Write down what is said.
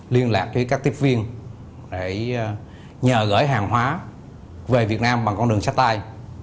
liên lạc với các tiếp viên để nhờ gửi hàng hóa về việt nam bằng con đường sách tay